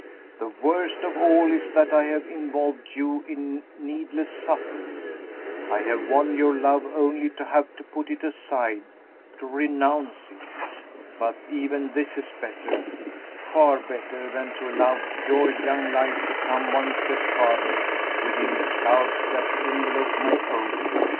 The worst of all is that I have involved you in needless suffering; I have won your love only to have to put it aside to renounce it. But even this is better far better than to allow your young life to come one step farther within the clouds that envelop my own.